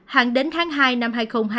hạn đến tháng hai năm hai nghìn hai mươi hai